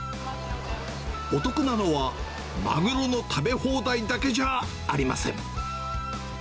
お得なのは、マグロの食べ放題だけじゃありません。